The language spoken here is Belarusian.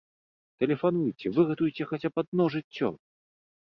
Тэлефануйце, выратуйце хаця б адно жыццё!